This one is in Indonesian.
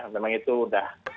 memang itu udah